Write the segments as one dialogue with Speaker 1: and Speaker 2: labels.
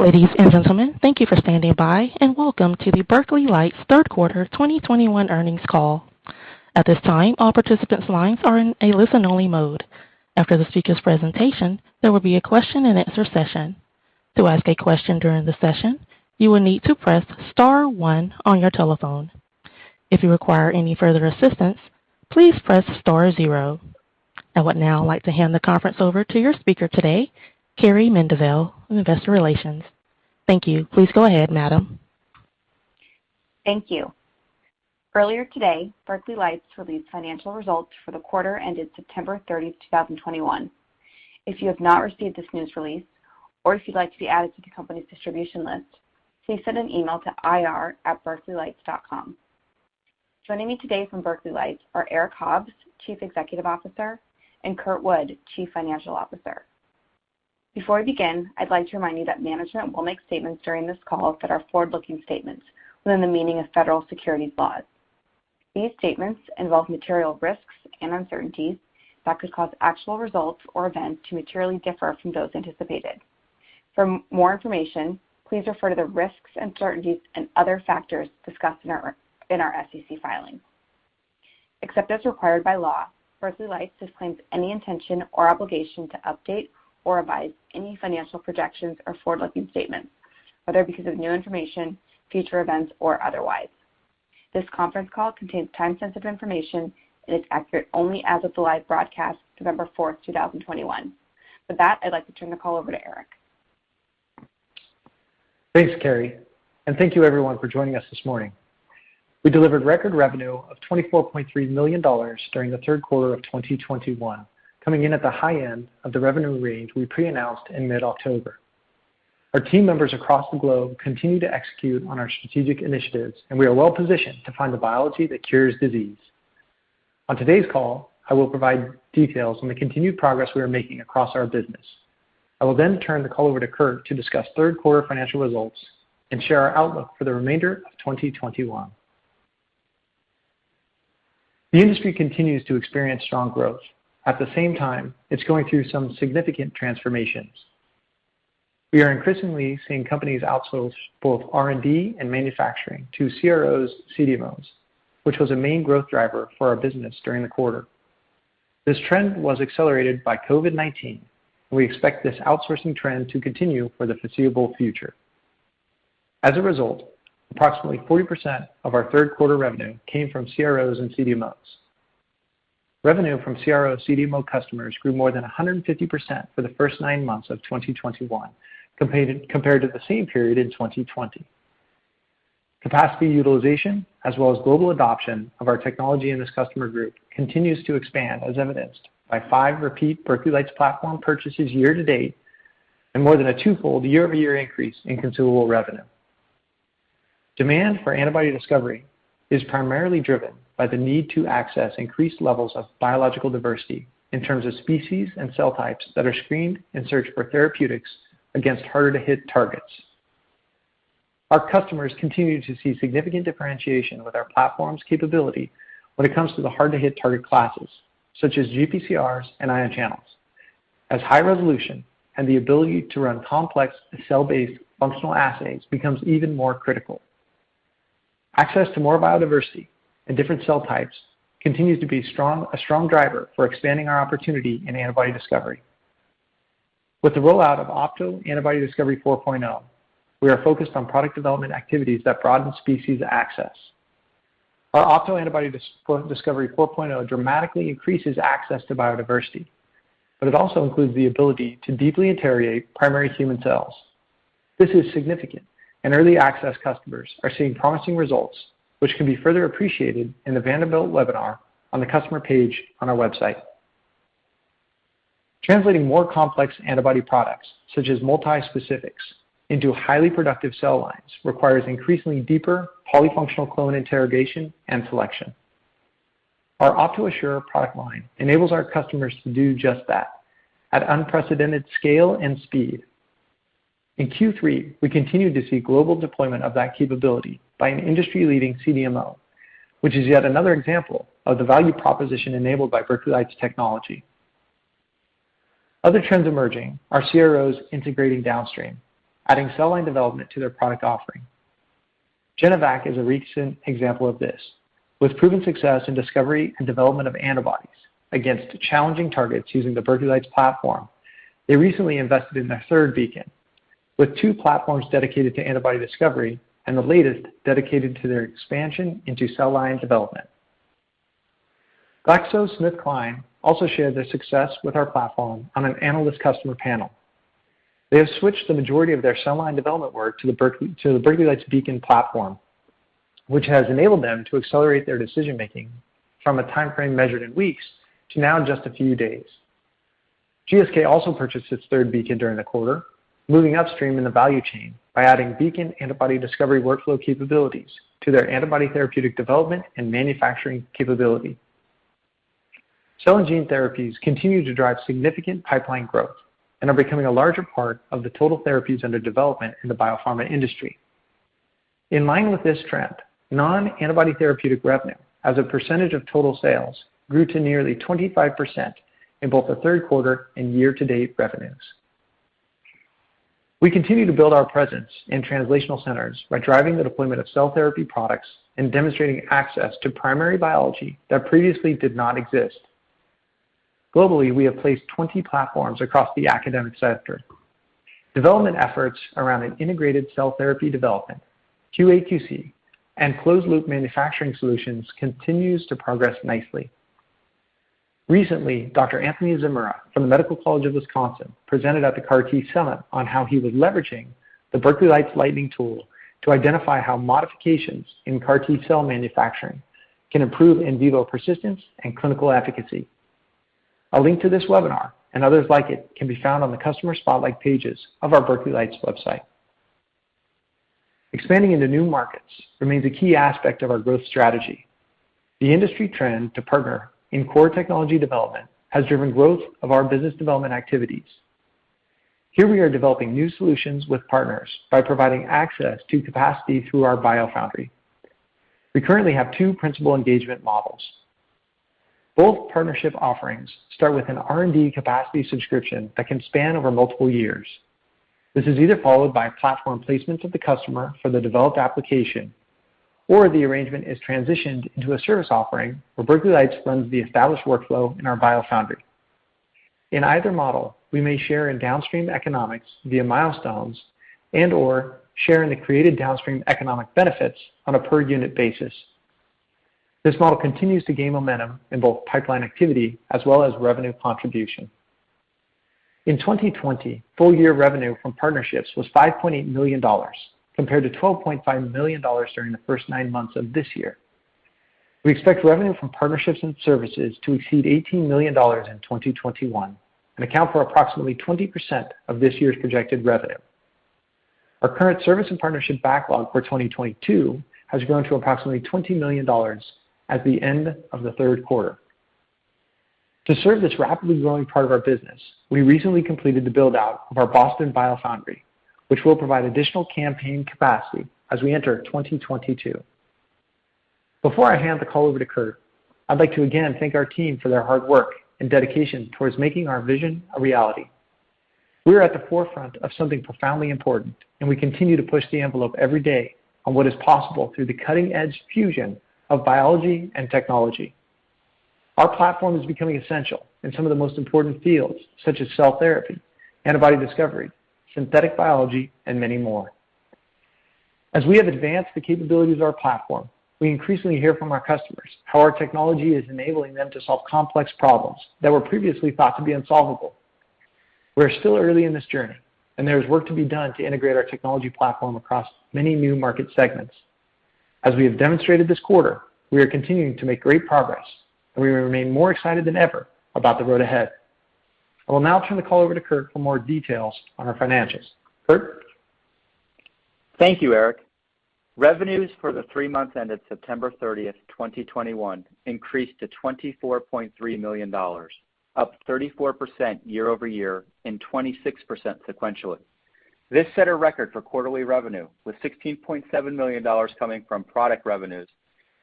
Speaker 1: Ladies and gentlemen, thank you for standing by, and welcome to the Berkeley Lights third quarter 2021 earnings call. At this time, all participants' lines are in a listen-only mode. After the speaker's presentation, there will be a question-and-answer session. To ask a question during the session, you will need to press star one on your telephone. If you require any further assistance, please press star zero. I would now like to hand the conference over to your speaker today, Carrie Mendivil from Investor Relations. Thank you. Please go ahead, madam.
Speaker 2: Thank you. Earlier today, Berkeley Lights released financial results for the quarter ended September 30, 2021. If you have not received this news release or if you'd like to be added to the company's distribution list, please send an email to ir@berkeleylights.com. Joining me today from Berkeley Lights are Eric Hobbs, Chief Executive Officer, and Kurt Wood, Chief Financial Officer. Before we begin, I'd like to remind you that management will make statements during this call that are forward-looking statements within the meaning of federal securities laws. These statements involve material risks and uncertainties that could cause actual results or events to materially differ from those anticipated. For more information, please refer to the risks, uncertainties and other factors discussed in our SEC filings. Except as required by law, Berkeley Lights disclaims any intention or obligation to update or revise any financial projections or forward-looking statements, whether because of new information, future events, or otherwise. This conference call contains time-sensitive information and is accurate only as of the live broadcast, November 4, 2021. With that, I'd like to turn the call over to Eric.
Speaker 3: Thanks, Carrie, and thank you everyone for joining us this morning. We delivered record revenue of $24.3 million during the third quarter of 2021, coming in at the high end of the revenue range we pre-announced in mid-October. Our team members across the globe continue to execute on our strategic initiatives, and we are well positioned to find the biology that cures disease. On today's call, I will provide details on the continued progress we are making across our business. I will then turn the call over to Kurt to discuss third quarter financial results and share our outlook for the remainder of 2021. The industry continues to experience strong growth. At the same time, it's going through some significant transformations. We are increasingly seeing companies outsource both R&D and manufacturing to CROs, CDMOs, which was a main growth driver for our business during the quarter. This trend was accelerated by COVID-19, and we expect this outsourcing trend to continue for the foreseeable future. As a result, approximately 40% of our third quarter revenue came from CROs and CDMOs. Revenue from CRO/CDMO customers grew more than 150% for the first 9 months of 2021 compared to the same period in 2020. Capacity utilization as well as global adoption of our technology in this customer group continues to expand as evidenced by five repeat Berkeley Lights platform purchases year-to-date and more than a twofold year-over-year increase in consumable revenue. Demand for antibody discovery is primarily driven by the need to access increased levels of biological diversity, in terms of species and cell types that are screened in search for therapeutics against harder to hit targets. Our customers continue to see significant differentiation with our platform's capability when it comes to the hard to hit target classes such as GPCRs and ion channels. As high resolution and the ability to run complex cell-based functional assays becomes even more critical. Access to more biodiversity and different cell types continues to be strong, a strong driver for expanding our opportunity in antibody discovery. With the rollout of Opto Antibody Discovery 4.0, we are focused on product development activities that broaden species access. Our Opto Antibody Discovery 4.0 dramatically increases access to biodiversity, but it also includes the ability to deeply interrogate primary human cells. This is significant and early access customers are seeing promising results which can be further appreciated in the Vanderbilt webinar on the customer page on our website. Translating more complex antibody products such as multi-specifics into highly productive cell lines requires increasingly deeper polyfunctional clone interrogation and selection. Our Opto Assure product line enables our customers to do just that at unprecedented scale and speed. In Q3, we continued to see global deployment of that capability by an industry-leading CDMO, which is yet another example of the value proposition enabled by Berkeley Lights technology. Other trends emerging are CROs integrating downstream, adding cell line development to their product offering. Genovac is a recent example of this. With proven success in discovery and development of antibodies against challenging targets using the Berkeley Lights platform. They recently invested in their third Beacon, with two platforms dedicated to antibody discovery and the latest dedicated to their expansion into cell line development. GlaxoSmithKline also shared their success with our platform on an analyst customer panel. They have switched the majority of their cell line development work to the Berkeley Lights Beacon platform, which has enabled them to accelerate their decision-making from a timeframe measured in weeks to now just a few days. GSK also purchased its third Beacon during the quarter, moving upstream in the value chain by adding Beacon antibody discovery workflow capabilities to their antibody therapeutic development and manufacturing capability. Cell and gene therapies continue to drive significant pipeline growth and are becoming a larger part of the total therapies under development in the biopharma industry. In line with this trend, non-antibody therapeutic revenue as a percentage of total sales grew to nearly 25% in both the third quarter and year-to-date revenues. We continue to build our presence in translational centers by driving the deployment of cell therapy products and demonstrating access to primary biology that previously did not exist. Globally, we have placed 20 platforms across the academic sector. Development efforts around an integrated cell therapy development, QA/QC, and closed loop manufacturing solutions continues to progress nicely. Recently, Dr. Anthony Zamora, from the Medical College of Wisconsin presented at the CAR-TCR Summit on how he was leveraging the Berkeley Lights Lightning tool to identify how modifications in CAR T-cell manufacturing can improve in vivo persistence and clinical efficacy. A link to this webinar and others like it can be found on the customer spotlight pages of our Berkeley Lights website. Expanding into new markets remains a key aspect of our growth strategy. The industry trend to partner in core technology development has driven growth of our business development activities. Here we are developing new solutions with partners by providing access to capacity through our BioFoundry. We currently have two principal engagement models. Both partnership offerings start with an R&D capacity subscription that can span over multiple years. This is either followed by platform placements of the customer for the developed application, or the arrangement is transitioned into a service offering where Berkeley Lights runs the established workflow in our BioFoundry. In either model, we may share in downstream economics via milestones and/or share in the created downstream economic benefits on a per unit basis. This model continues to gain momentum in both pipeline activity as well as revenue contribution. In 2020, full year revenue from partnerships was $5.8 million compared to $12.5 million during the first nine months of this year. We expect revenue from partnerships and services to exceed $18 million in 2021 and account for approximately 20% of this year's projected revenue. Our current service and partnership backlog for 2022 has grown to approximately $20 million at the end of the third quarter. To serve this rapidly growing part of our business, we recently completed the build-out of our Boston BioFoundry, which will provide additional campaign capacity as we enter 2022. Before I hand the call over to Kurt, I'd like to again thank our team for their hard work and dedication towards making our vision a reality. We are at the forefront of something profoundly important, and we continue to push the envelope every day on what is possible through the cutting-edge fusion of biology and technology. Our platform is becoming essential in some of the most important fields such as cell therapy, antibody discovery, synthetic biology, and many more. As we have advanced the capabilities of our platform, we increasingly hear from our customers how our technology is enabling them to solve complex problems that were previously thought to be unsolvable. We are still early in this journey, and there is work to be done to integrate our technology platform across many new market segments. As we have demonstrated this quarter, we are continuing to make great progress, and we remain more excited than ever about the road ahead. I will now turn the call over to Kurt for more details on our financials. Kurt?
Speaker 4: Thank you, Eric. Revenues for the three months ended September 30, 2021 increased to $24.3 million, up 34% year-over-year and 26% sequentially. This set a record for quarterly revenue, with $16.7 million coming from product revenues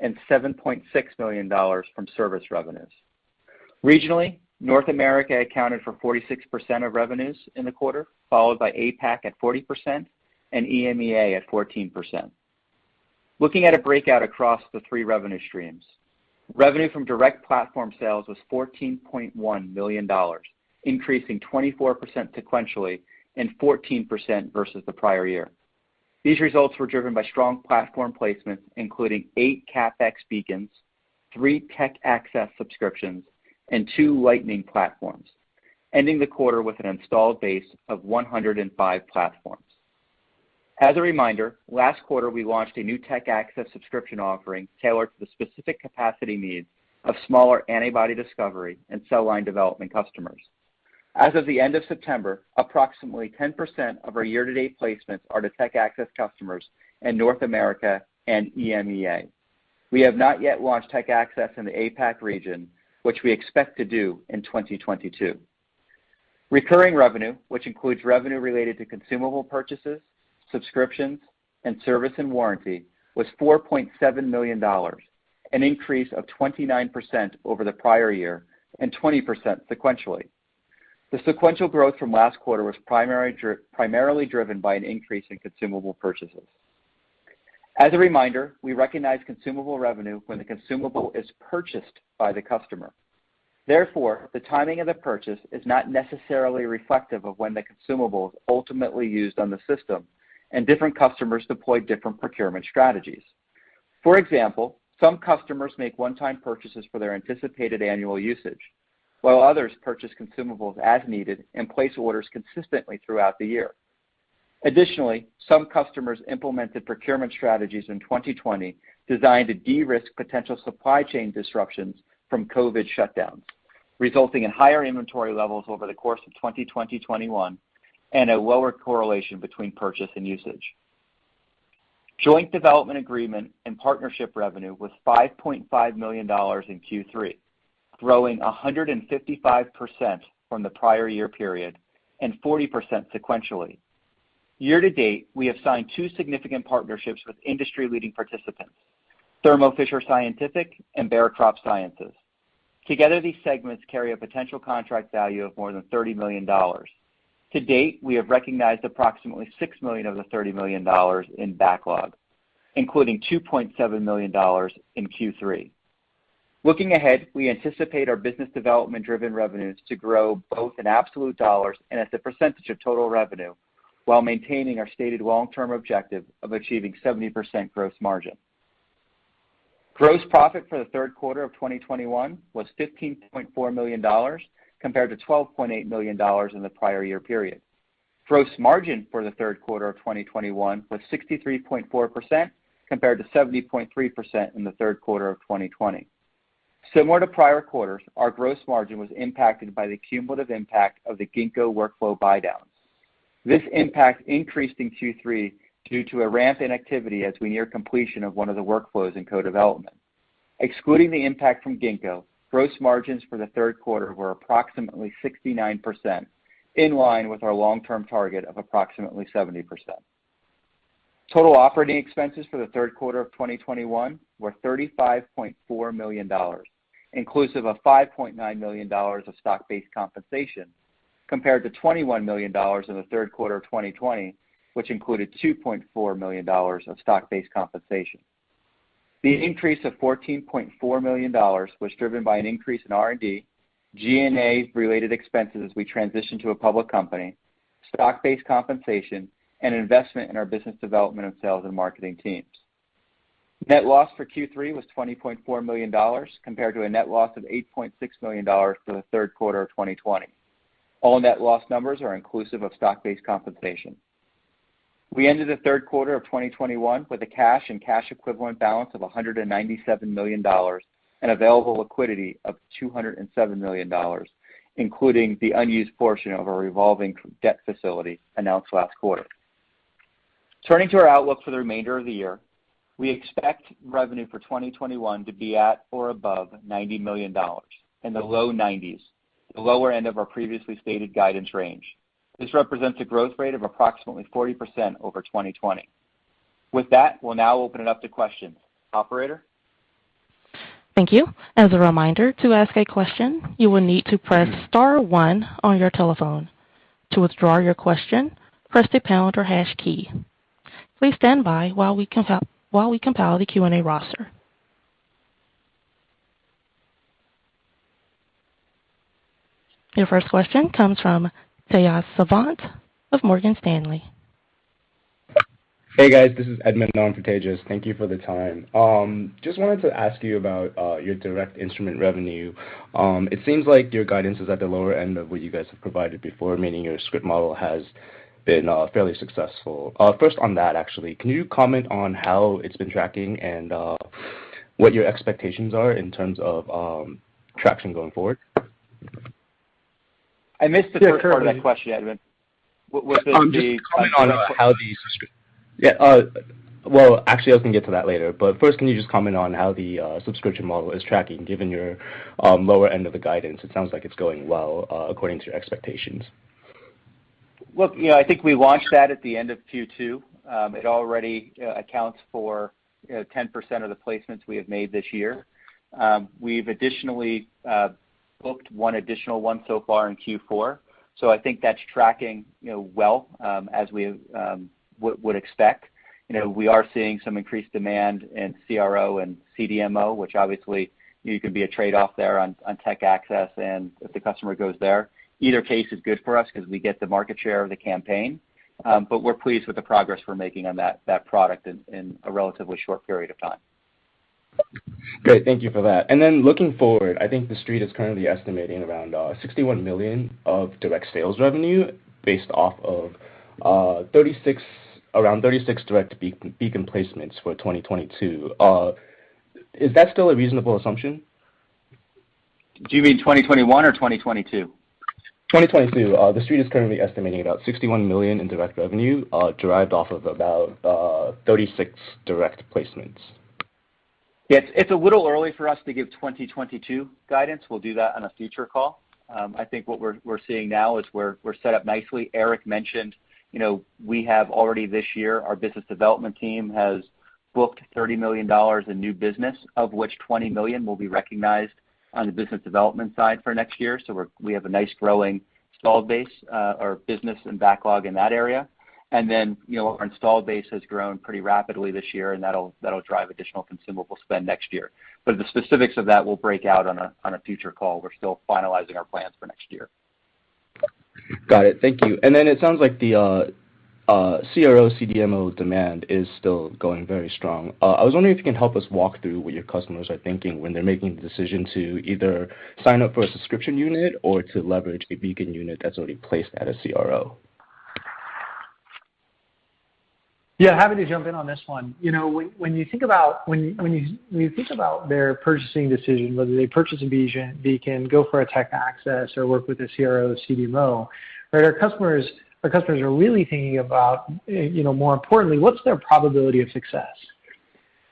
Speaker 4: and $7.6 million from service revenues. Regionally, North America accounted for 46% of revenues in the quarter, followed by APAC at 40% and EMEA at 14%. Looking at a breakout across the three revenue streams, revenue from direct platform sales was $14.1 million, increasing 24% sequentially and 14% versus the prior year. These results were driven by strong platform placements, including eight CapEx Beacons, three tech access subscriptions, and two Lightning platforms, ending the quarter with an installed base of 105 platforms. As a reminder, last quarter we launched a new tech access subscription offering tailored to the specific capacity needs of smaller antibody discovery and cell line development customers. As of the end of September, approximately 10% of our year-to-date placements are to tech access customers in North America and EMEA. We have not yet launched tech access in the APAC region, which we expect to do in 2022. Recurring revenue, which includes revenue related to consumable purchases, subscriptions, and service and warranty, was $4.7 million, an increase of 29% over the prior year and 20% sequentially. The sequential growth from last quarter was primarily driven by an increase in consumable purchases. As a reminder, we recognize consumable revenue when the consumable is purchased by the customer. Therefore, the timing of the purchase is not necessarily reflective of when the consumable is ultimately used on the system, and different customers deploy different procurement strategies. For example, some customers make one-time purchases for their anticipated annual usage, while others purchase consumables as needed and place orders consistently throughout the year. Additionally, some customers implemented procurement strategies in 2020 designed to de-risk potential supply chain disruptions from COVID shutdowns, resulting in higher inventory levels over the course of 2020, 2021 and a lower correlation between purchase and usage. Joint development agreement and partnership revenue was $5.5 million in Q3, growing 155% from the prior year period and 40% sequentially. Year-to-date, we have signed two significant partnerships with industry-leading participants, Thermo Fisher Scientific and Bayer CropScience. Together, these segments carry a potential contract value of more than $30 million. To date, we have recognized approximately $6 million of the $30 million in backlog, including $2.7 million in Q3. Looking ahead, we anticipate our business development-driven revenues to grow both in absolute dollars and as a percentage of total revenue while maintaining our stated long-term objective of achieving 70% gross margin. Gross profit for the third quarter of 2021 was $15.4 million compared to $12.8 million in the prior year period. Gross margin for the third quarter of 2021 was 63.4% compared to 70.3% in the third quarter of 2020. Similar to prior quarters, our gross margin was impacted by the cumulative impact of the Ginkgo workflow buy-downs. This impact increased in Q3 due to a ramp in activity as we near completion of one of the workflows in co-development. Excluding the impact from Ginkgo, gross margins for the third quarter were approximately 69%, in line with our long-term target of approximately 70%. Total operating expenses for the third quarter of 2021 were $35.4 million, inclusive of $5.9 million of stock-based compensation, compared to $21 million in the third quarter of 2020, which included $2.4 million of stock-based compensation. The increase of $14.4 million was driven by an increase in R&D, G&A related expenses as we transition to a public company, stock-based compensation, and investment in our business development of sales and marketing teams. Net loss for Q3 was $20.4 million, compared to a net loss of $8.6 million for the third quarter of 2020. All net loss numbers are inclusive of stock-based compensation. We ended the third quarter of 2021 with a cash and cash equivalent balance of $197 million and available liquidity of $207 million, including the unused portion of our revolving debt facility announced last quarter. Turning to our outlook for the remainder of the year, we expect revenue for 2021 to be at or above $90 million, in the low nineties, the lower end of our previously stated guidance range. This represents a growth rate of approximately 40% over 2020. With that, we'll now open it up to questions. Operator?
Speaker 1: Thank you. As a reminder, to ask a question, you will need to press star one on your telephone. To withdraw your question, press the pound or hash key. Please stand by while we compile the Q&A roster. Your first question comes from Tejas Savant of Morgan Stanley.
Speaker 5: Hey, guys. This is Edmond on for Tejas. Thank you for the time. Just wanted to ask you about your direct instrument revenue. It seems like your guidance is at the lower end of what you guys have provided before, meaning your subscription model has been fairly successful. First on that, actually, can you comment on how it's been tracking and what your expectations are in terms of traction going forward?
Speaker 3: I missed the first part of that question, Edmond. Was it?
Speaker 5: Well, actually, I can get to that later. First, can you just comment on how the subscription model is tracking given your lower end of the guidance? It sounds like it's going well according to your expectations.
Speaker 3: Look, you know, I think we launched that at the end of Q2. It already accounts for, you know, 10% of the placements we have made this year. We've additionally booked one additional one so far in Q4, so I think that's tracking, you know, well, as we would expect. You know, we are seeing some increased demand in CRO and CDMO, which obviously, you know, can be a trade-off there on tech access and if the customer goes there. Either case is good for us because we get the market share of the campaign, but we're pleased with the progress we're making on that product in a relatively short period of time.
Speaker 5: Great. Thank you for that. Looking forward, I think The Street is currently estimating around $61 million of direct sales revenue based off of around 36 direct Beacon placements for 2022. Is that still a reasonable assumption?
Speaker 4: Do you mean 2021 or 2022?
Speaker 5: 2022. The Street is currently estimating about $61 million in direct revenue, derived off of about 36 direct placements.
Speaker 4: Yeah. It's a little early for us to give 2022 guidance. We'll do that on a future call. I think what we're seeing now is we're set up nicely. Eric mentioned, you know, we have already this year, our business development team has booked $30 million in new business, of which $20 million will be recognized on the business development side for next year. We have a nice growing installed base, or business and backlog in that area. Then, you know, our installed base has grown pretty rapidly this year, and that'll drive additional consumable spend next year. The specifics of that we'll break out on a future call. We're still finalizing our plans for next year.
Speaker 5: Got it. Thank you. It sounds like the CRO/CDMO demand is still going very strong. I was wondering if you can help us walk through what your customers are thinking when they're making the decision to either sign up for a subscription unit or to leverage a Beacon unit that's already placed at a CRO.
Speaker 3: Yeah, happy to jump in on this one. You know, when you think about their purchasing decision, whether they purchase a Beacon, go for a tech access, or work with a CRO or CDMO, right, our customers are really thinking about, you know, more importantly, what's their probability of success?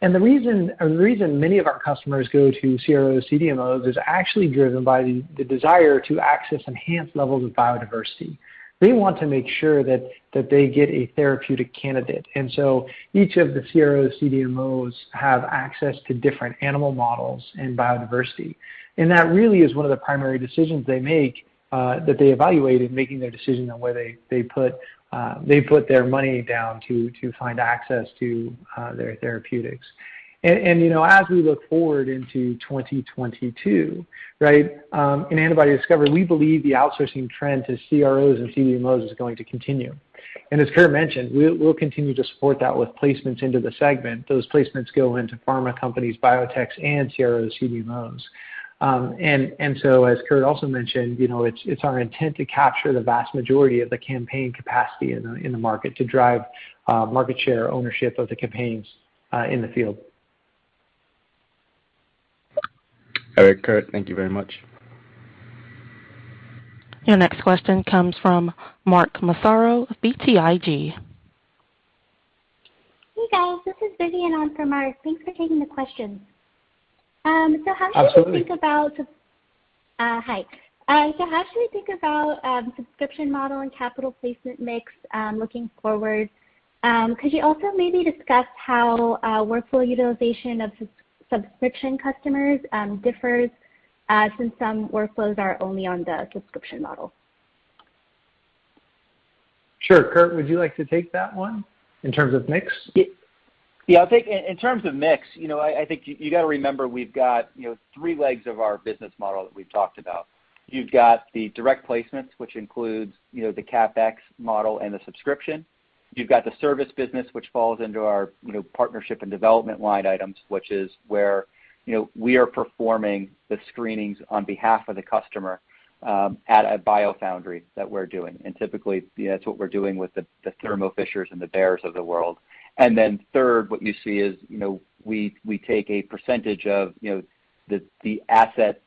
Speaker 3: The reason many of our customers go to CRO/CDMOs is actually driven by the desire to access enhanced levels of biodiversity. They want to make sure that they get a therapeutic candidate. Each of the CRO/CDMOs have access to different animal models and biodiversity. That really is one of the primary decisions they make, that they evaluate in making their decision on where they put their money down to find access to their therapeutics. You know, as we look forward into 2022, in antibody discovery, we believe the outsourcing trend to CROs and CDMOs is going to continue. As Kurt mentioned, we'll continue to support that with placements into the segment. Those placements go into pharma companies, biotechs, and CROs/CDMOs. As Kurt also mentioned, you know, it's our intent to capture the vast majority of the campaign capacity in the market to drive market share ownership of the campaigns in the field.
Speaker 5: Eric, Kurt, thank you very much.
Speaker 1: Your next question comes from Mark Massaro of BTIG.
Speaker 6: Hey, guys. This is Vidyun on for Mark. Thanks for taking the questions. How do you think about?
Speaker 3: Absolutely.
Speaker 6: Hi. So how should we think about subscription model and capital placement mix looking forward? Could you also maybe discuss how workflow utilization of subscription customers differs since some workflows are only on the subscription model?
Speaker 3: Sure. Kurt, would you like to take that one in terms of mix?
Speaker 4: Yeah, I'll take it. In terms of mix, you know, I think you got to remember we've got, you know, three legs of our business model that we've talked about. You've got the direct placements, which includes, you know, the CapEx model and the subscription. You've got the service business, which falls into our, you know, partnership and development line items, which is where, you know, we are performing the screenings on behalf of the customer at a BioFoundry that we're doing. Typically, yeah, it's what we're doing with the Thermo Fishers and the Bayers of the world. Third, what you see is, you know, we take a percentage of, you know, the asset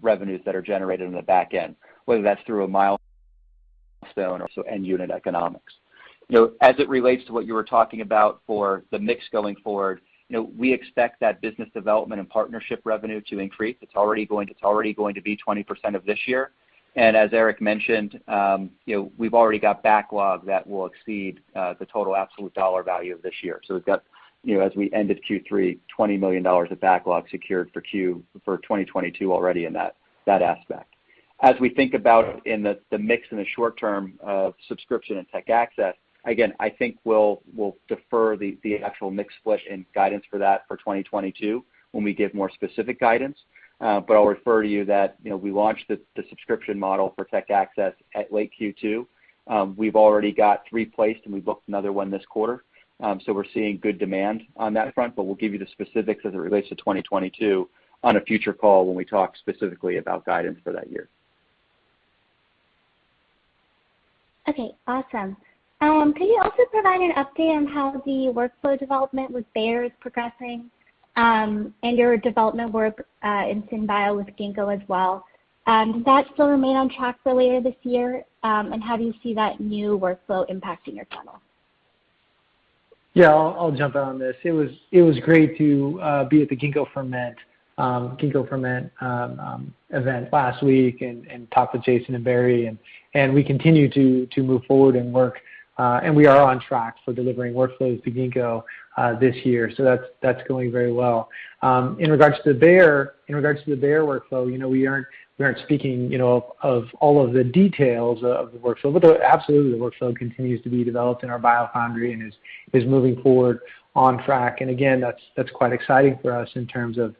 Speaker 4: revenues that are generated on the back end, whether that's through a milestone or also end unit economics. You know, as it relates to what you were talking about for the mix going forward, you know, we expect that business development and partnership revenue to increase. It's already going to be 20% of this year. As Eric mentioned, you know, we've already got backlog that will exceed the total absolute dollar value of this year. So we've got, you know, as we ended Q3, $20 million of backlog secured for 2022 already in that aspect. As we think about in the mix in the short term of subscription and tech access, again, I think we'll defer the actual mix split and guidance for that for 2022 when we give more specific guidance. I'll remind you that, you know, we launched the subscription model for tech access at late Q2. We've already got three placed, and we booked another one this quarter. We're seeing good demand on that front, but we'll give you the specifics as it relates to 2022 on a future call when we talk specifically about guidance for that year.
Speaker 6: Okay. Awesome. Could you also provide an update on how the workflow development with Bayer is progressing, and your development work in SynBio with Ginkgo as well? Does that still remain on track for later this year, and how do you see that new workflow impacting your funnel?
Speaker 3: I'll jump in on this. It was great to be at the Ginkgo Ferment event last week and talk with Jason Kelly and Barry Canton and we continue to move forward and work. We are on track for delivering workflows to Ginkgo this year. That's going very well. In regards to Bayer, in regards to the Bayer workflow, you know, we aren't speaking, you know, of all of the details of the workflow, but absolutely the workflow continues to be developed in our BioFoundry and is moving forward on track. Again, that's quite exciting for us in terms of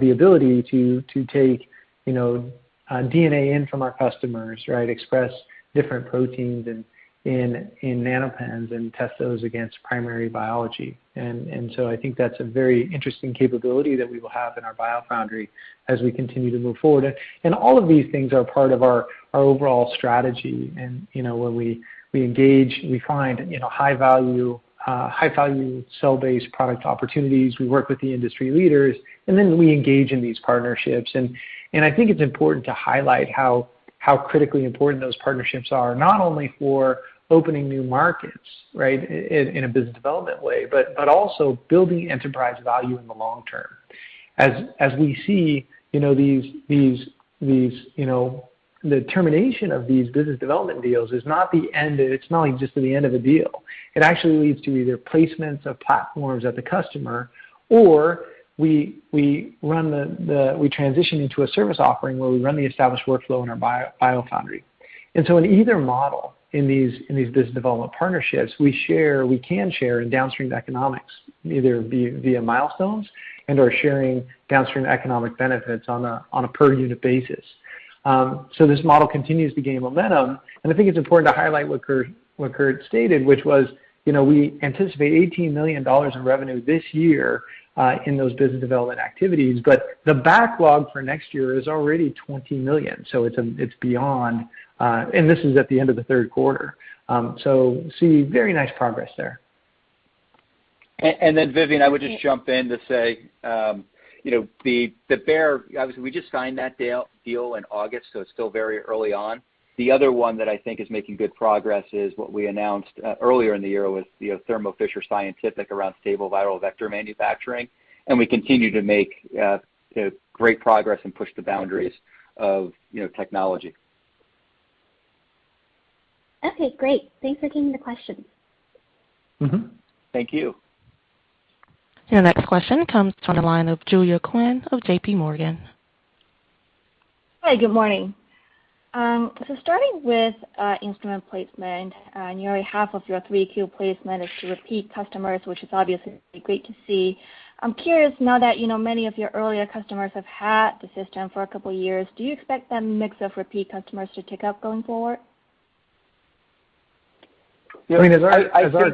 Speaker 3: the ability to take, you know, DNA in from our customers, right? Express different proteins in NanoPen and test those against primary biology. I think that's a very interesting capability that we will have in our BioFoundry as we continue to move forward. All of these things are part of our overall strategy. You know, when we engage, we find, you know, high value cell-based product opportunities. We work with the industry leaders, and then we engage in these partnerships. I think it's important to highlight how critically important those partnerships are, not only for opening new markets, right, in a business development way, but also building enterprise value in the long term. As we see, you know, these, you know, the termination of these business development deals is not the end. It's not just the end of a deal. It actually leads to either placements of platforms at the customer, or we transition into a service offering where we run the established workflow in our BioFoundry. In either model in these business development partnerships, we can share in downstream economics, either via milestones and/or sharing downstream economic benefits on a per unit basis. This model continues to gain momentum, and I think it's important to highlight what Kurt stated, which was we anticipate $18 million in revenue this year in those business development activities, but the backlog for next year is already $20 million. It's beyond. This is at the end of the third quarter. We see very nice progress there.
Speaker 4: Vidyun, I would just jump in to say, you know, the Bayer, obviously, we just signed that deal in August, so it's still very early on. The other one that I think is making good progress is what we announced earlier in the year with, you know, Thermo Fisher Scientific around stable viral vector manufacturing. We continue to make great progress and push the boundaries of, you know, technology.
Speaker 6: Okay, great. Thanks for taking the question.
Speaker 4: Mm-hmm. Thank you.
Speaker 1: Your next question comes from the line of Julia Qin of JPMorgan.
Speaker 7: Hi, good morning. Starting with instrument placement, nearly half of your 3Q placement is to repeat customers, which is obviously great to see. I'm curious now that, you know, many of your earlier customers have had the system for a couple of years. Do you expect that mix of repeat customers to tick up going forward?
Speaker 4: I mean, as I.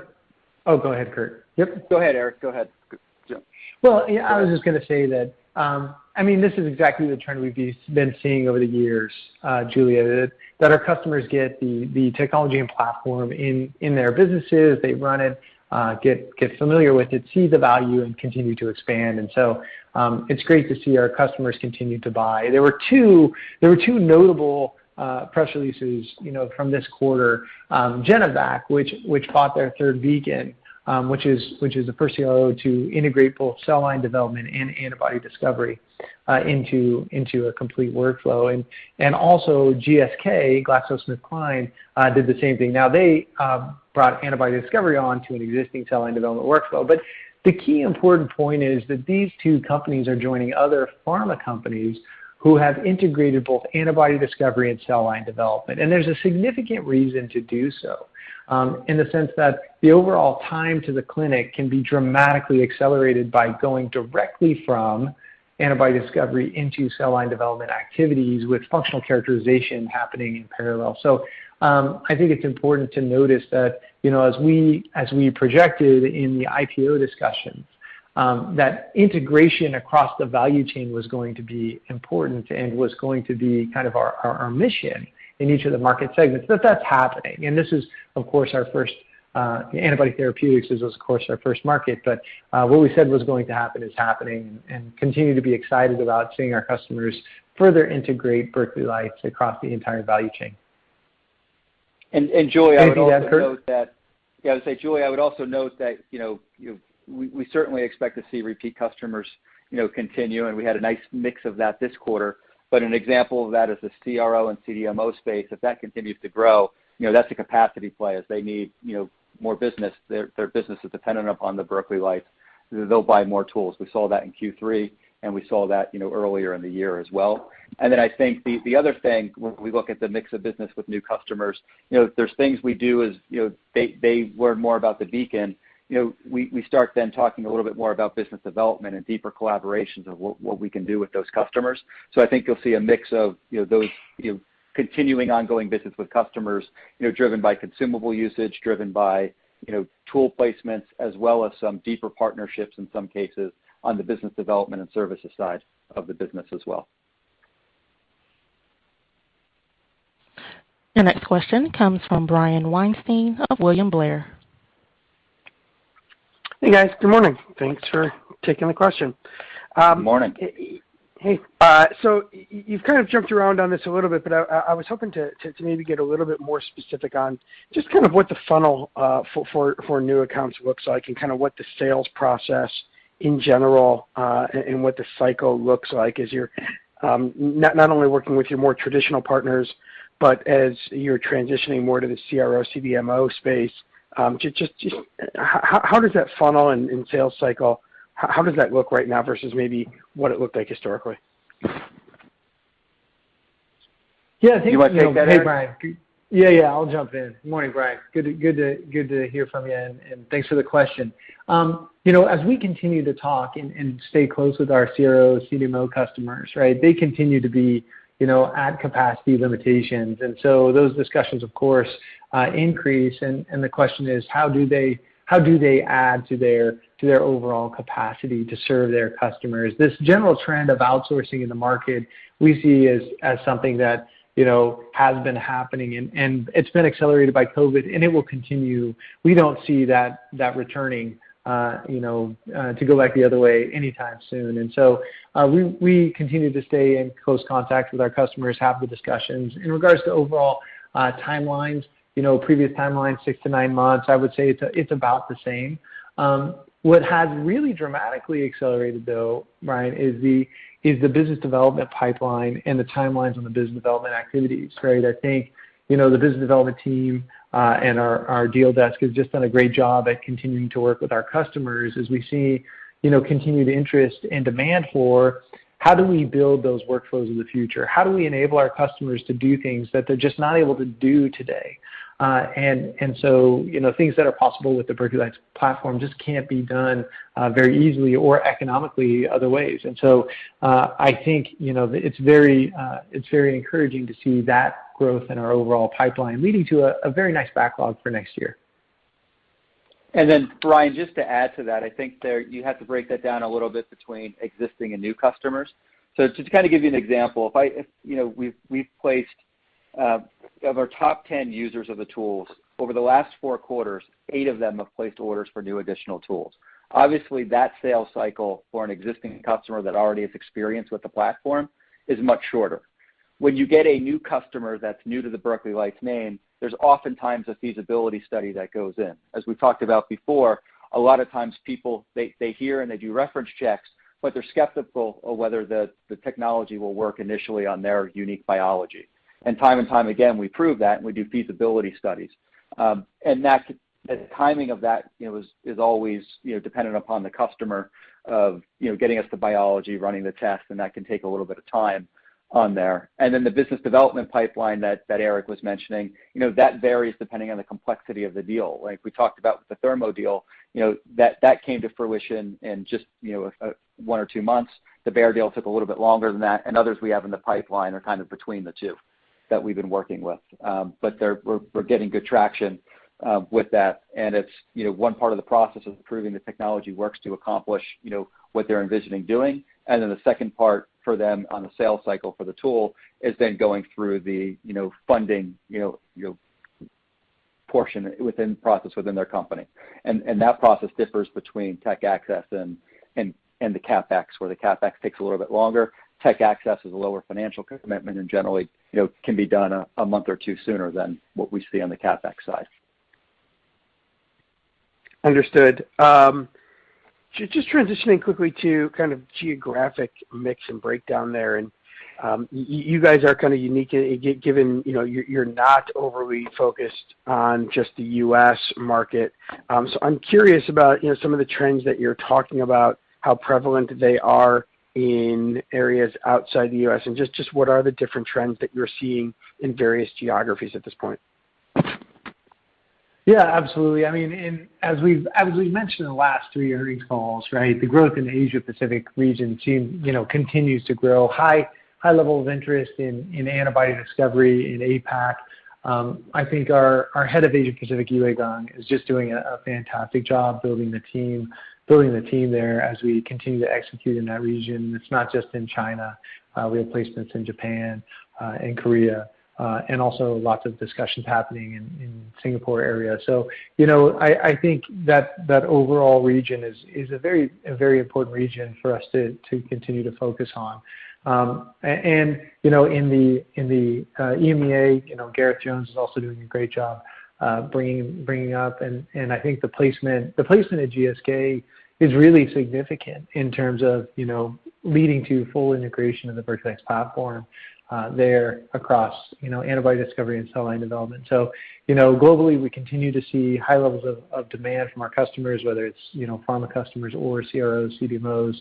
Speaker 3: Oh, go ahead, Kurt.
Speaker 4: Yep. Go ahead, Eric. Go ahead.
Speaker 3: Well, yeah, I was just gonna say that, I mean, this is exactly the trend we've been seeing over the years, Julia, that our customers get the technology and platform in their businesses. They run it, get familiar with it, see the value, and continue to expand. It's great to see our customers continue to buy. There were two notable press releases, you know, from this quarter, Genovac, which bought their third Beacon, which is the first CRO to integrate both cell line development and antibody discovery into a complete workflow. GSK, GlaxoSmithKline, did the same thing. Now they brought antibody discovery on to an existing cell line development workflow. The key important point is that these two companies are joining other pharma companies who have integrated both antibody discovery and cell line development. There's a significant reason to do so, in the sense that the overall time to the clinic can be dramatically accelerated by going directly from antibody discovery into cell line development activities with functional characterization happening in parallel. I think it's important to notice that, you know, as we projected in the IPO discussions, that integration across the value chain was going to be important and was going to be kind of our mission in each of the market segments. That's happening. This is, of course, our first antibody therapeutics is of course our first market. What we said was going to happen is happening, and we continue to be excited about seeing our customers further integrate Berkeley Lights across the entire value chain.
Speaker 4: Julia, I would also note that.
Speaker 3: Thank you, Kurt.
Speaker 4: Yeah, I'd say, Julia, I would also note that, you know, we certainly expect to see repeat customers, you know, continue, and we had a nice mix of that this quarter. An example of that is the CRO and CDMO space. If that continues to grow, you know, there's a capacity play, as they need, you know, more business. Their business is dependent upon the Berkeley Lights. They'll buy more tools. We saw that in Q3, and we saw that, you know, earlier in the year as well. Then I think the other thing, when we look at the mix of business with new customers, you know, there's things we do as, you know, they learn more about the Beacon. You know, we start then talking a little bit more about business development and deeper collaborations of what we can do with those customers. I think you'll see a mix of, you know, those, you know, continuing ongoing business with customers, you know, driven by consumable usage, driven by, you know, tool placements, as well as some deeper partnerships in some cases on the business development and services side of the business as well.
Speaker 1: Your next question comes from Brian Weinstein of William Blair.
Speaker 8: Hey, guys. Good morning. Thanks for taking the question.
Speaker 3: Good morning.
Speaker 8: Hey, so you've kind of jumped around on this a little bit, but I was hoping to maybe get a little bit more specific on just kind of what the funnel for new accounts looks like and kind of what the sales process in general and what the cycle looks like as you're not only working with your more traditional partners. But as you're transitioning more to the CRO/CDMO space, just how does that funnel and sales cycle? How does that look right now versus maybe what it looked like historically?
Speaker 3: Yeah, I think.
Speaker 4: You want to take that, Eric?
Speaker 3: Hey, Brian. Yeah, I'll jump in. Good morning, Brian. Good to hear from you, and thanks for the question. You know, as we continue to talk and stay close with our CRO/CDMO customers, right? They continue to be, you know, at capacity limitations. Those discussions, of course, increase. The question is, how do they add to their overall capacity to serve their customers? This general trend of outsourcing in the market we see as something that, you know, has been happening and it's been accelerated by COVID, and it will continue. We don't see that returning, you know, to go back the other way anytime soon. We continue to stay in close contact with our customers, have the discussions. In regard to overall timelines, you know, previous timelines, 6 months-9 months, I would say it's about the same. What has really dramatically accelerated though, Brian, is the business development pipeline and the timelines on the business development activities, right? I think, you know, the business development team and our deal desk has just done a great job at continuing to work with our customers as we see, you know, continued interest and demand for how do we build those workflows of the future? How do we enable our customers to do things that they're just not able to do today? You know, things that are possible with the Berkeley Lights platform just can't be done very easily or economically other ways. I think, you know, it's very encouraging to see that growth in our overall pipeline leading to a very nice backlog for next year.
Speaker 4: Brian, just to add to that, I think that you have to break that down a little bit between existing and new customers. To just kind of give you an example, you know, we've placed. Of our top 10 users of the tools over the last four quarters, eight of them have placed orders for new additional tools. Obviously, that sales cycle for an existing customer that already has experience with the platform is much shorter. When you get a new customer that's new to the Berkeley Lights name, there's oftentimes a feasibility study that goes in. As we talked about before, a lot of times people they hear and they do reference checks, but they're skeptical of whether the technology will work initially on their unique biology. Time and time again, we prove that when we do feasibility studies. The timing of that, you know, is always, you know, dependent upon the customers getting us the biology, running the test, and that can take a little bit of time on their. Then the business development pipeline that Eric was mentioning, you know, that varies depending on the complexity of the deal. Like we talked about with the Thermo deal, you know, that came to fruition in just, you know, one or two months. The Bayer deal took a little bit longer than that, and others we have in the pipeline are kind of between the two that we've been working with. We're getting good traction with that. It's, you know, one part of the process of proving the technology works to accomplish, you know, what they're envisioning doing. Then the second part for them on the sales cycle for the tool is then going through the, you know, funding, you know, portion within process within their company. That process differs between tech access and the CapEx, where the CapEx takes a little bit longer. Tech access is a lower financial commitment and generally, you know, can be done a month or two sooner than what we see on the CapEx side.
Speaker 8: Understood. Just transitioning quickly to kind of geographic mix and breakdown there. You guys are kind of unique in, given you know, you're not overly focused on just the U.S. market. I'm curious about, you know, some of the trends that you're talking about, how prevalent they are in areas outside the U.S., and just what are the different trends that you're seeing in various geographies at this point?
Speaker 3: Yeah, absolutely. I mean, as we've mentioned in the last three earnings calls, right, the growth in the Asia Pacific region team, you know, continues to grow. High level of interest in antibody discovery in APAC. I think our head of Asia Pacific, Yue Geng, is just doing a fantastic job building the team there as we continue to execute in that region. It's not just in China. We have placements in Japan, and Korea, and also lots of discussions happening in Singapore area. You know, I think that overall region is a very important region for us to continue to focus on. You know, in the EMEA, Gareth Jones is also doing a great job, bringing up. I think the placement at GSK is really significant in terms of, you know, leading to full integration of the Beacon platform there across, you know, antibody discovery and cell line development. Globally, we continue to see high levels of demand from our customers, whether it's, you know, pharma customers or CROs, CDMOs,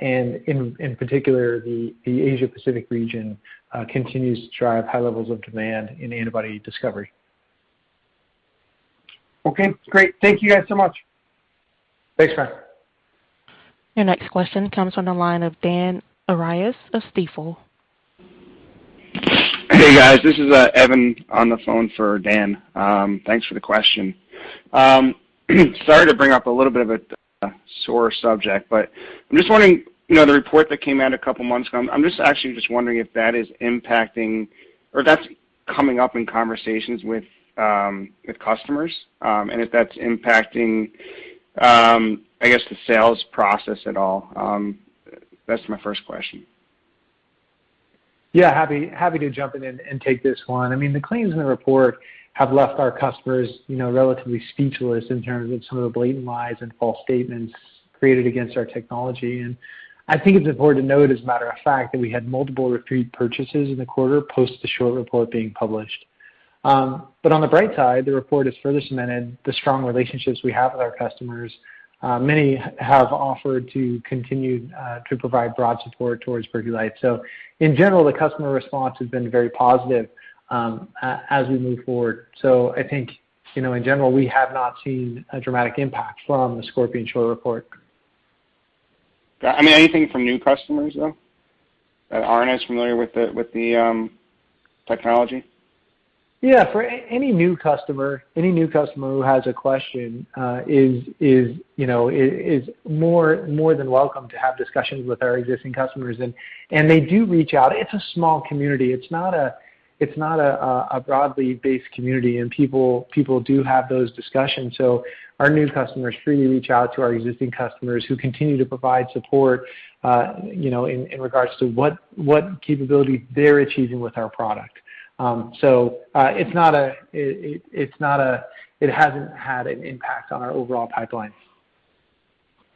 Speaker 3: and in particular, the Asia Pacific region continues to drive high levels of demand in antibody discovery.
Speaker 8: Okay, great. Thank you guys so much.
Speaker 3: Thanks, Brian.
Speaker 1: Your next question comes from the line of Dan Arias of Stifel.
Speaker 9: Hey, guys, this is Evan on the phone for Dan. Thanks for the question. Sorry to bring up a little bit of a sore subject, but I'm just wondering, you know, the report that came out a couple of months ago. I'm just actually just wondering if that is impacting or that's coming up in conversations with customers, and if that's impacting the sales process at all. That's my first question.
Speaker 3: Yeah, happy to jump in and take this one. I mean, the claims in the report have left our customers, you know, relatively speechless in terms of some of the blatant lies and false statements created against our technology. I think it's important to note, as a matter of fact, that we had multiple repeat purchases in the quarter post the short report being published. But on the bright side, the report has further cemented the strong relationships we have with our customers. Many have offered to continue to provide broad support towards Berkeley Lights. In general, the customer response has been very positive, as we move forward. I think, you know, in general, we have not seen a dramatic impact from the Scorpion short report.
Speaker 9: Got it. I mean, anything from new customers, though, that aren't as familiar with the technology?
Speaker 3: Yeah. For any new customer who has a question, you know, is more than welcome to have discussions with our existing customers. They do reach out. It's a small community. It's not a broadly based community, and people do have those discussions. Our new customers freely reach out to our existing customers who continue to provide support, you know, in regards to what capability they're achieving with our product. It hasn't had an impact on our overall pipeline.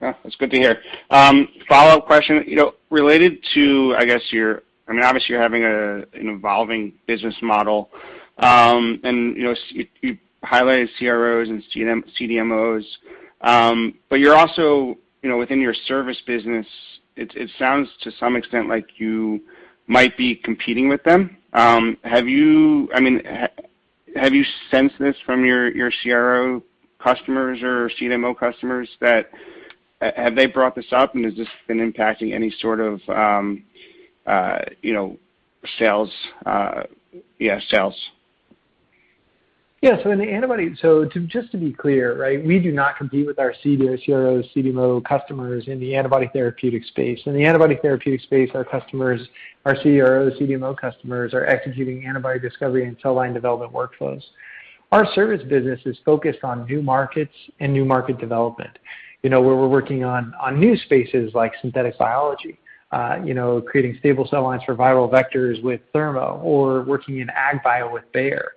Speaker 9: Yeah. That's good to hear. Follow-up question, you know, related to, I guess, your, I mean, obviously, you're having an evolving business model. And you know, you highlighted CROs and CDMOs. But you're also, you know, within your service business, it sounds to some extent like you might be competing with them. Have you, I mean, have you sensed this from your CRO customers or CDMO customers that, have they brought this up? Has this been impacting any sort of, you know, sales, yeah, sales?
Speaker 3: Yeah. To just be clear, right, we do not compete with our CDMO and CRO customers in the antibody therapeutic space. In the antibody therapeutic space, our customers, our CRO and CDMO customers are executing antibody discovery and cell line development workflows. Our service business is focused on new markets and new market development. You know, where we're working on new spaces like synthetic biology, you know, creating stable cell lines for viral vectors with Thermo or working in Ag-bio with Bayer.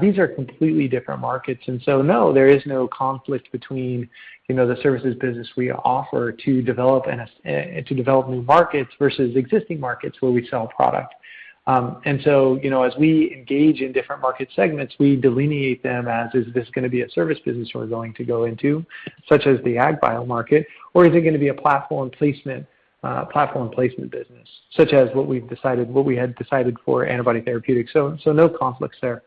Speaker 3: These are completely different markets. No, there is no conflict between, you know, the services business we offer to develop new markets versus existing markets where we sell product. You know, as we engage in different market segments, we delineate them as is this gonna be a service business we're going to go into, such as the ag bio market, or is it gonna be a platform placement business, such as what we had decided for antibody therapeutics. No conflicts there.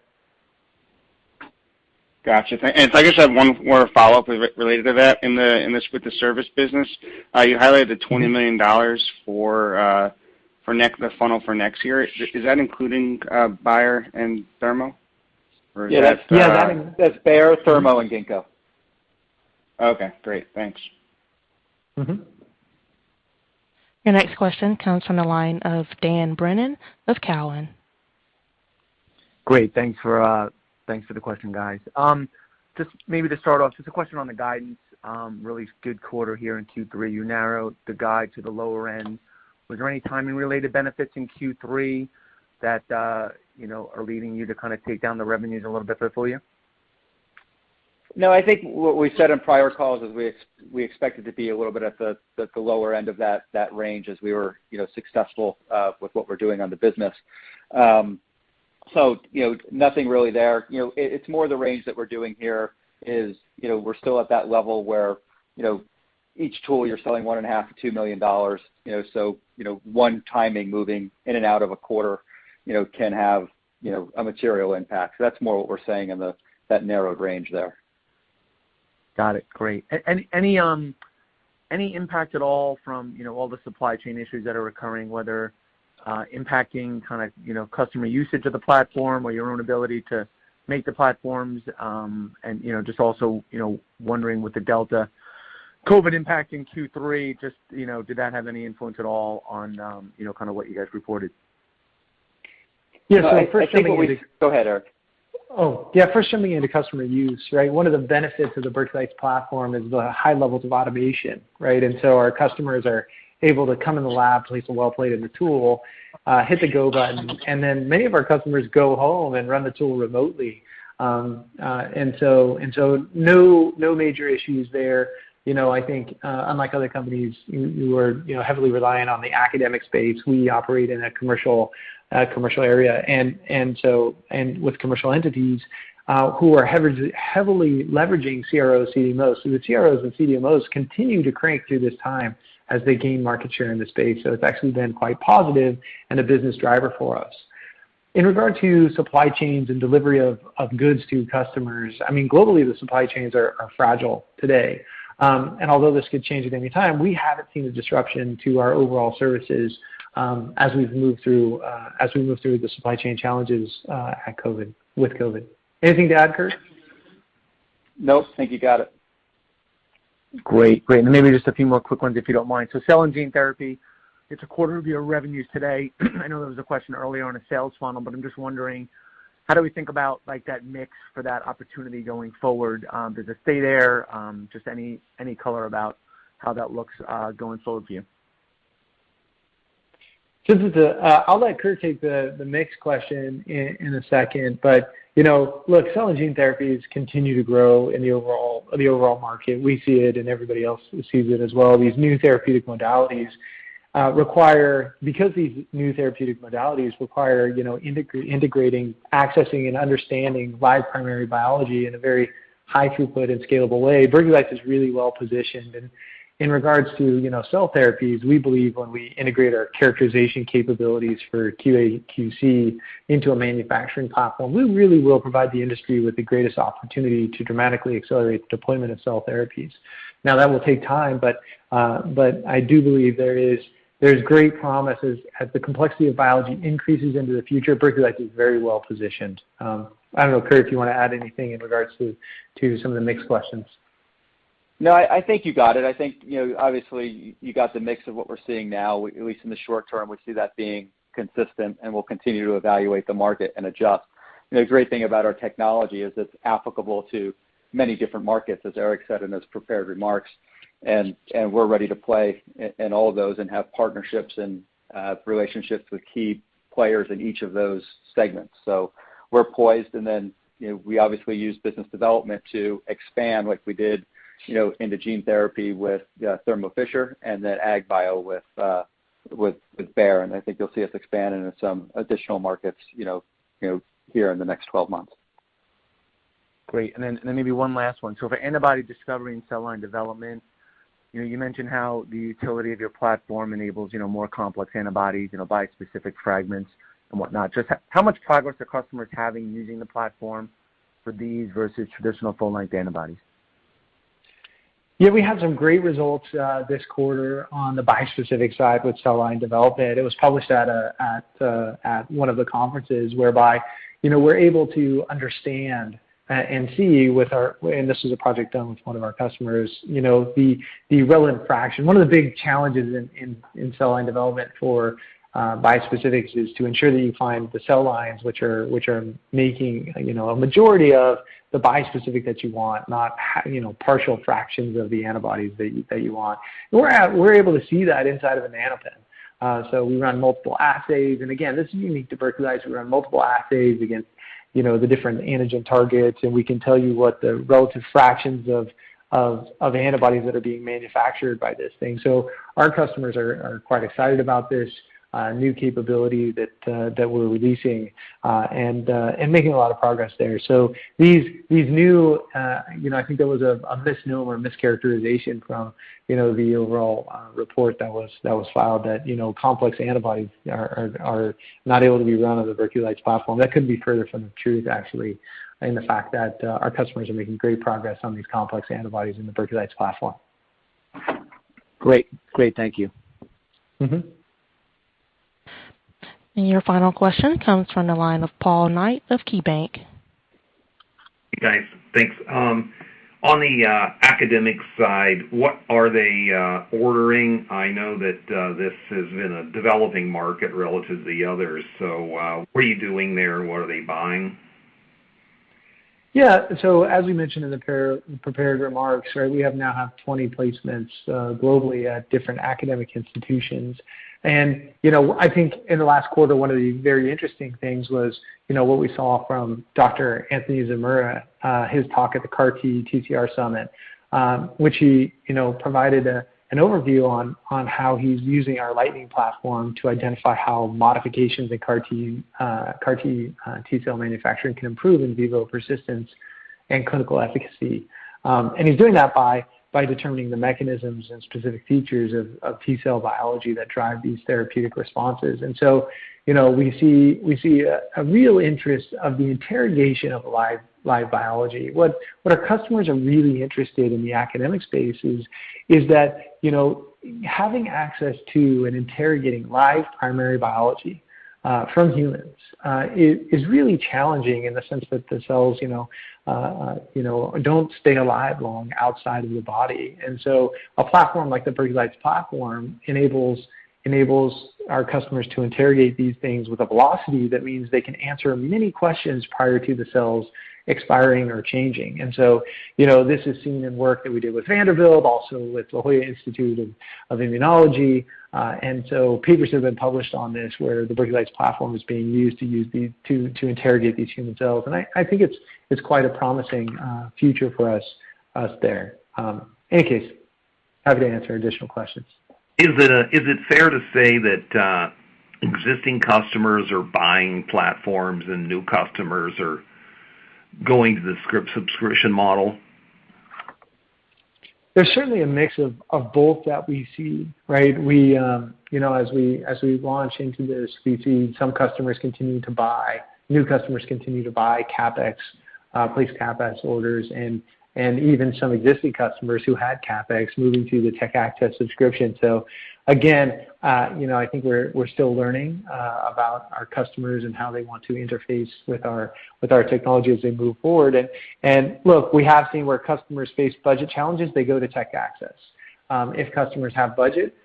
Speaker 9: Gotcha. I just have one more follow-up related to that in this with the service business. You highlighted the $20 million for the funnel for next year. Is that including Bayer and Thermo? Or is that?
Speaker 4: That's Bayer, Thermo and Ginkgo.
Speaker 9: Okay, great. Thanks.
Speaker 3: Mm-hmm.
Speaker 1: Your next question comes from the line of Dan Brennan of Cowen.
Speaker 10: Great. Thanks for the question, guys. Just maybe to start off, just a question on the guidance, really good quarter here in Q3. You narrowed the guide to the lower end. Was there any timing-related benefits in Q3 that, you know, are leading you to kinda take down the revenues a little bit there for you?
Speaker 4: No, I think what we said on prior calls is we expected to be a little bit at the lower end of that range as we were, you know, successful with what we're doing on the business. You know, nothing really there. You know, it's more the range that we're doing here is, you know, we're still at that level where, you know, each tool you're selling $1.5 million-$2 million, you know, so, you know, one timing moving in and out of a quarter, you know, can have, you know, a material impact. That's more what we're saying in that narrowed range there.
Speaker 10: Got it. Great. Any impact at all from, you know, all the supply chain issues that are occurring, whether impacting kind of, you know, customer usage of the platform or your own ability to make the platforms, and, you know, just also, you know, wondering with the Delta COVID impact in Q3, just, you know, did that have any influence at all on, you know, kind of what you guys reported?
Speaker 3: Yeah, first coming into.
Speaker 4: Go ahead, Eric.
Speaker 3: Oh, yeah, first coming into customer use, right? One of the benefits of the Berkeley Lights platform is the high levels of automation, right? Our customers are able to come in the lab, place a well plate in the tool, hit the go button, and then many of our customers go home and run the tool remotely. No major issues there. You know, I think, unlike other companies who are, you know, heavily reliant on the academic space, we operate in a commercial area with commercial entities who are heavily leveraging CROs and CDMOs. The CROs and CDMOs continue to crank through this time as they gain market share in the space. It's actually been quite positive and a business driver for us. In regard to supply chains and delivery of goods to customers, I mean, globally, the supply chains are fragile today. Although this could change at any time, we haven't seen a disruption to our overall services, as we move through the supply chain challenges with COVID. Anything to add, Kurt?
Speaker 4: No, I think you got it.
Speaker 10: Great. Maybe just a few more quick ones if you don't mind. Cell and gene therapy, it's a quarter of your revenues today. I know there was a question earlier on a sales funnel, but I'm just wondering, how do we think about like that mix for that opportunity going forward? Does it stay there? Just any color about how that looks, going forward for you?
Speaker 3: This is, I'll let Kurt take the mix question in a second, but, you know, look, cell and gene therapies continue to grow in the overall market. We see it and everybody else sees it as well. These new therapeutic modalities require because these new therapeutic modalities require, you know, integrating, accessing and understanding live primary biology in a very high throughput and scalable way, Berkeley Lights is really well positioned. In regards to, you know, cell therapies, we believe when we integrate our characterization capabilities for QA/QC into a manufacturing platform, we really will provide the industry with the greatest opportunity to dramatically accelerate deployment of cell therapies. Now, that will take time, but I do believe there's great promise as the complexity of biology increases into the future, Berkeley Lights is very well positioned. I don't know, Kurt, if you wanna add anything in regards to some of the mix questions.
Speaker 4: No, I think you got it. I think, you know, obviously you got the mix of what we're seeing now, at least in the short term, we see that being consistent, and we'll continue to evaluate the market and adjust. You know, the great thing about our technology is it's applicable to many different markets, as Eric said in his prepared remarks, and we're ready to play in all of those and have partnerships and relationships with key players in each of those segments. We're poised, and then, you know, we obviously use business development to expand like we did, you know, into gene therapy with Thermo Fisher and then ag bio with Bayer. I think you'll see us expand into some additional markets, you know, here in the next 12 months.
Speaker 10: Great. Then maybe one last one. For antibody discovery and cell line development, you know, you mentioned how the utility of your platform enables, you know, more complex antibodies, you know, bispecific fragments and whatnot. Just how much progress are customers having using the platform for these versus traditional full length antibodies?
Speaker 3: Yeah, we had some great results this quarter on the bispecific side with cell line development. It was published at one of the conferences whereby, you know, we're able to understand and see. This is a project done with one of our customers, you know, the relevant fraction. One of the big challenges in cell line development for bispecifics is to ensure that you find the cell lines which are making, you know, a majority of the bispecific that you want, not you know, partial fractions of the antibodies that you want. We're able to see that inside of a NanoPen. We run multiple assays. Again, this is unique to Berkeley Lights. We run multiple assays against, you know, the different antigen targets, and we can tell you what the relative fractions of antibodies that are being manufactured by this thing. Our customers are quite excited about this new capability that we're releasing and making a lot of progress there. These new, you know, I think there was a misnomer, mischaracterization from, you know, the overall report that was filed that, you know, complex antibodies are not able to be run on the Berkeley Lights platform. That couldn't be further from the truth, actually, in the fact that our customers are making great progress on these complex antibodies in the Berkeley Lights platform.
Speaker 10: Great. Thank you.
Speaker 3: Mm-hmm.
Speaker 1: Your final question comes from the line of Paul Knight of KeyBanc Capital Markets.
Speaker 11: Hey, guys. Thanks. On the academic side, what are they ordering? I know that this has been a developing market relative to the others. What are you doing there, and what are they buying?
Speaker 3: As we mentioned in the prepared remarks, right, we now have 20 placements globally at different academic institutions. You know, I think in the last quarter, one of the very interesting things was, you know, what we saw from Dr. Anthony Zamora, his talk at the CAR-TCR Summit, which he provided an overview on how he's using our Lightning platform to identify how modifications in CAR T-cell manufacturing can improve in vivo persistence and clinical efficacy. He's doing that by determining the mechanisms and specific features of T-cell biology that drive these therapeutic responses. You know, we see a real interest in the interrogation of live biology. What our customers are really interested in the academic space is that, you know, having access to and interrogating live primary biology from humans is really challenging in the sense that the cells, you know, don't stay alive long outside of the body. A platform like the Berkeley Lights platform enables our customers to interrogate these things with a velocity that means they can answer many questions prior to the cells expiring or changing. You know, this is seen in work that we did with Vanderbilt, also with La Jolla Institute for Immunology. Papers have been published on this, where the Berkeley Lights platform is being used to interrogate these human cells. I think it's quite a promising future for us there. In any case, happy to answer additional questions.
Speaker 11: Is it fair to say that existing customers are buying platforms and new customers are going to the subscription model?
Speaker 3: There's certainly a mix of both that we see, right? We, you know, as we launch into this, we see some customers continue to buy, new customers continue to buy CapEx, place CapEx orders, and even some existing customers who had CapEx moving to the Tech Access subscription. Again, you know, I think we're still learning about our customers and how they want to interface with our technology as they move forward. Look, we have seen where customers face budget challenges, they go to Tech Access. If customers have budget,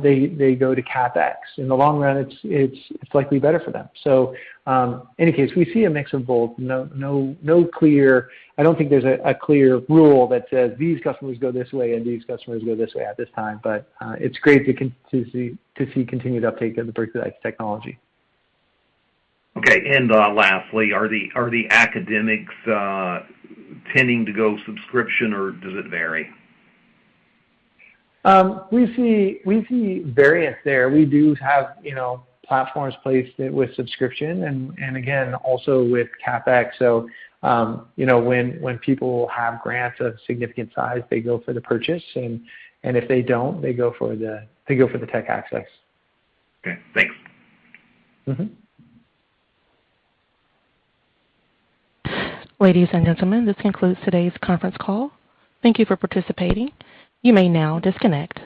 Speaker 3: they go to CapEx. In the long run, it's likely better for them. Any case, we see a mix of both, no clear. I don't think there's a clear rule that says these customers go this way and these customers go this way at this time. It's great to see continued uptake of the Berkeley Lights technology.
Speaker 11: Okay. Lastly, are the academics tending to go subscription or does it vary?
Speaker 3: We see variance there. We do have, you know, platforms placed with subscription and again, also with CapEx. You know, when people have grants of significant size, they go for the purchase, and if they don't, they go for the Tech Access.
Speaker 11: Okay, thanks.
Speaker 3: Mm-hmm.
Speaker 1: Ladies and gentlemen, this concludes today's conference call. Thank you for participating. You may now disconnect.